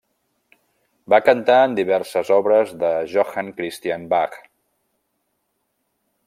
Va cantar en diverses obres de Johann Christian Bach.